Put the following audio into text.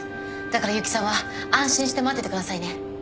だから悠木さんは安心して待っててくださいね